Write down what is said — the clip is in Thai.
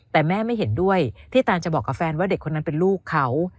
แต่แม่ไม่เห็นด้วยที่ตานจะบอกกับแฟนว่าเด็กคนนั้นเป็นลูกเขา